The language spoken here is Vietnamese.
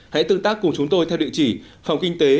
hãy tương tác cùng chúng tôi theo địa chỉ phòng kinh tế